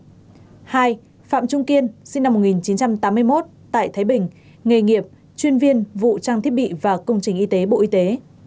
hai phạm trung kiên sinh năm một nghìn chín trăm tám mươi một tại thái bình nghề nghiệp chuyên viên vụ trang thiết bị và công trình y tế bộ y tế